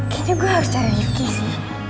kayaknya gue harus cari riffky sih